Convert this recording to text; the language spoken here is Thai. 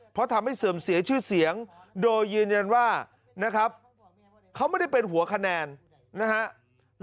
เพราะทำให้เสื่อมเสียชื่อเสียงโดยยืนยันว่านะครับเขาไม่ได้เป็นหัวคะแนนนะครับ